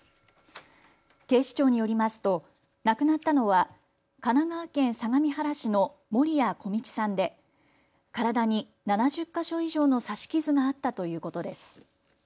警視庁によりますと亡くなったのは神奈川県相模原市の守屋径さんで体に７０か所以上の刺し傷があったということです。